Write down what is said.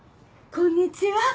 こんにちは。